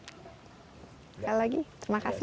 sekali lagi terima kasih